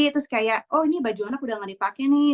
terus kayak oh ini baju anak udah gak dipakai nih